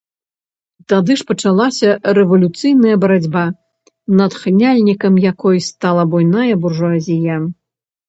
Тады ж пачалася рэвалюцыйная барацьба, натхняльнікам якой стала буйная буржуазія.